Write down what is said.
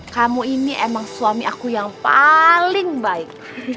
kamu ini emang suami aku yang paling baik